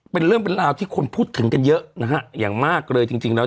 เป็นเรื่องเป็นราวที่คนพูดถึงกันเยอะนะฮะอย่างมากเลยจริงจริงแล้ว